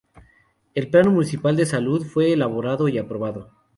El Plano Municipal de Salud fue elaborado y aprobado.